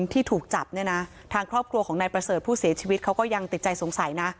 ที่ถูกจับเนี่ยนะทางครอบครัวของนายประเสริฐผู้เสียชีวิตเขาก็ยังติดใจสงสัยนะ